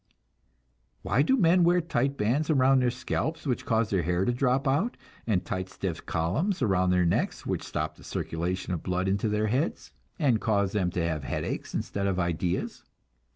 Why do men wear tight bands around their scalps, which cause their hair to drop out, and tight, stiff columns around their necks, which stop the circulation of the blood into their heads, and cause them to have headaches instead of ideas?